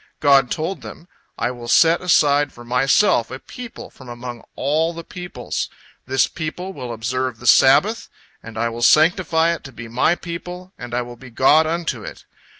God told them: "I will set aside for Myself a people from among all the peoples. This people will observe the Sabbath, and I will sanctify it to be My people, and I will be God unto it.